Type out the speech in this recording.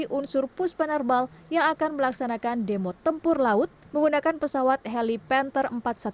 unsur puspenerbal yang akan melaksanakan demo tempur laut menggunakan pesawat heli panther empat ratus dua belas